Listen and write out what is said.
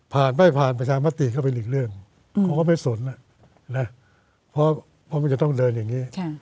ไม่ผ่านประชามติก็เป็นอีกเรื่องเขาก็ไม่สนเพราะมันจะต้องเดินอย่างนี้